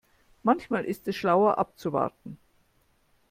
Manchmal ist es schlauer abzuwarten.